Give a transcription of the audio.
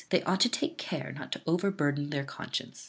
they ought to take care not to overburthen their conscience.